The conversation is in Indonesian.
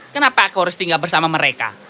kenapa aku harus tinggal bersama mereka